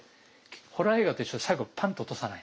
ホラー映画と一緒で最後パンッて落とさないと。